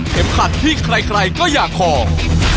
เข็มขัดที่ใครก็อยากของ